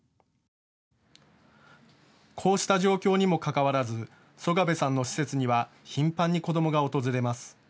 こうした状況にもかかわらず曽我部さんの施設には頻繁に子どもが訪れます。